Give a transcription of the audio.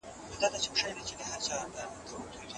هغه وویل چي مړ سړی په ډګر کي ږدن او اتڼ خوښوي.